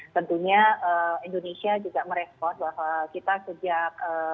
tentunya indonesia juga merespon bahwa kita sejak